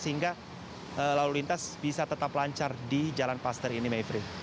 sehingga lalu lintas bisa tetap lancar di jalan paster ini mevri